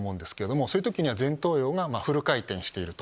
そういう時には前頭葉がフル回転している。